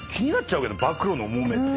暴露の重めって。